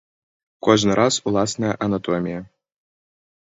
Кожны раз уласная анатомія.